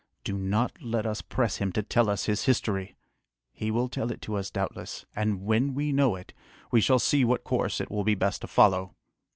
Do not let us press him to tell us his history! He will tell it to us doubtless, and when we know it, we shall see what course it will be best to follow.